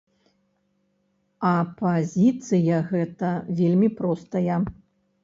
А пазіцыя гэта вельмі простая.